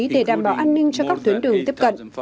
để đảm bảo an ninh cho các tuyến đường tiếp cận